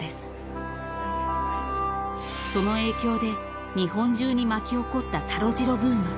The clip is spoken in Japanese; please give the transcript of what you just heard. ［その影響で日本中に巻き起こった「タロ・ジロ」ブーム］